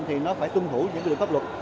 thì nó phải tuân thủ những điều pháp luật